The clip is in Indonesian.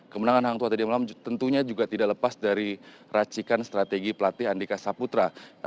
kemenangan hangtua tadi malam tentunya juga tidak lepas dari racikan strategi pelatih andika saputra